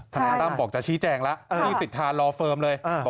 ทนายตั้มบอกจะชี้แจงแล้วพี่สิทธารอเฟิร์มเลย